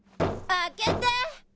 開けて！